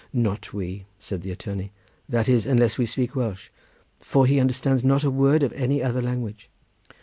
"Not we," said the attorney; "that is, unless we speak Welsh, for he understands not a word of any other language."